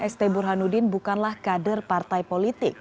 st burhanuddin bukanlah kader partai politik